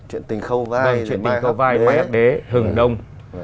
chuyện tình khâu vai hoa hát đế hừng đông